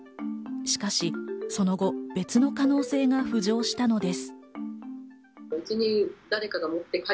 しかしその後、別の可能性が浮上したのです。